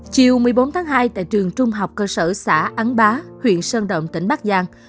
chiều một mươi bốn tháng hai tại trường trung học cơ sở xã ấn bá huyện sơn động tỉnh bắc giang